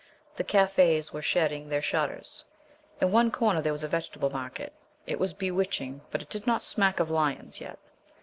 The cafes were shedding their shutters. In one corner there was a vegetable market. It was bewitching, but it did not smack of lions yet.